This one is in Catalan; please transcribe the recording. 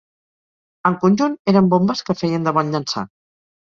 En conjunt, eren bombes que feien de bon llançar.